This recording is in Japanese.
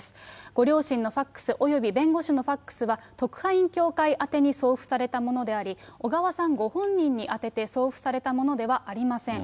ご両親のファックス、および弁護士のファックスは、特派員協会宛てに送付されたものであり、小川さんご本人に宛てて送付されたものではありません。